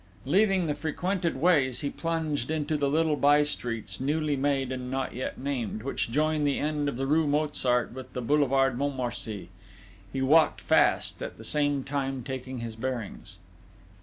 Leaving the frequented ways, he plunged into the little by streets, newly made and not yet named, which join the end of the rue Mozart with the boulevard Montmorency. He walked fast, at the same time taking his bearings.